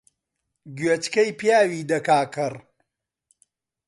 گوێچکەی پیاوی دەکا کەڕ